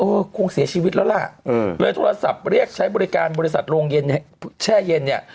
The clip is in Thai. คงเสียชีวิตแล้วล่ะเลยโทรศัพท์เรียกใช้บริการบริษัทโรงเย็นแช่เย็นเนี่ย